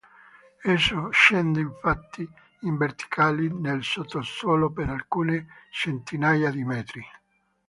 Esso scende infatti in verticale nel sottosuolo per alcune centinaia di metri.